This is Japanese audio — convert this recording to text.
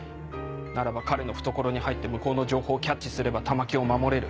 ならば彼の懐に入って向こうの情報をキャッチすれば玉響を守れる。